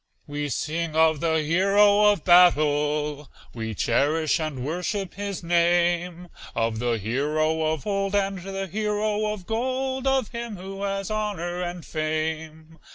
We sing of the hero of battle, We cherish and worship his name; Of the hero of old, and the hero of gold, Of him who has honor and fame.